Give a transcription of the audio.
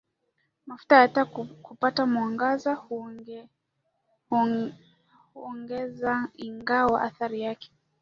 mafuta ya taa kupata mwangaza huongezaIngawa athari yake